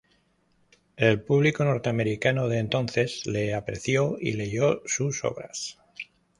El público norteamericano de entonces le apreció y leyó sus obras.